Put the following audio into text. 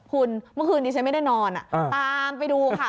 คุณเมื่อคืนนี้ฉันไม่ได้นอนตามไปดูค่ะ